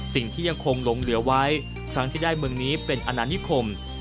สิ่งที่ยังคงหลงเหลือไว้ครั้งที่ได้เมืองนี้เป็นอนานิคม